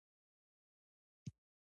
پیلوټ د خپل عقل او پوهې زوی دی.